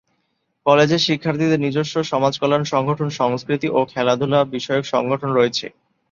কলেজের শিক্ষার্থীদের নিজস্ব সমাজকল্যাণ সংগঠন, সংস্কৃতি ও খেলাধুলা বিষয়ক সংগঠন রয়েছে।